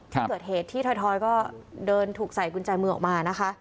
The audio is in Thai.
ที่เกิดเหตุท้อยก็เดินถูกใส่กุญจัยมือออกมา